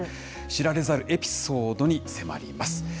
知られざるエピソードに迫ります。